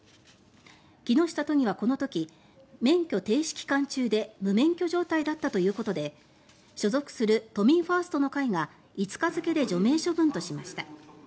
木下都議はこの時免許停止期間中で無免許状態だったということで所属する都民ファーストの会が５日付で除名処分としました。